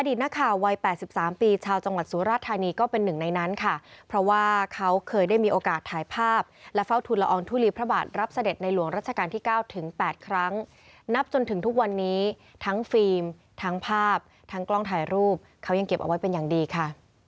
นักข่าววัย๘๓ปีชาวจังหวัดสุราธานีก็เป็นหนึ่งในนั้นค่ะเพราะว่าเขาเคยได้มีโอกาสถ่ายภาพและเฝ้าทุนละอองทุลีพระบาทรับเสด็จในหลวงรัชกาลที่๙ถึง๘ครั้งนับจนถึงทุกวันนี้ทั้งฟิล์มทั้งภาพทั้งกล้องถ่ายรูปเขายังเก็บเอาไว้เป็นอย่างดีค่ะ